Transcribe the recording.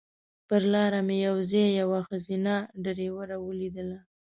پر لاره مې یو ځای یوه ښځینه ډریوره ولیدله.